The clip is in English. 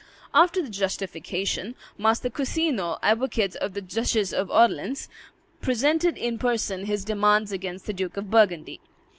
After the justification, Master Cousinot, advocate of the Duchess of Orleans, presented in person his demands against the Duke of Burgundy.